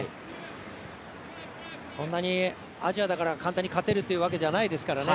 そんなにアジアだから簡単に勝てるというわけじゃないですからね。